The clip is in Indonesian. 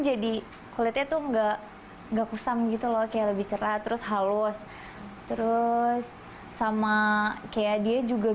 jadi kulitnya tuh enggak enggak kusam gitu loh kayak lebih cerah terus halus terus sama kayak dia juga